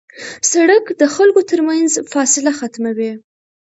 سړک د خلکو تر منځ فاصله ختموي.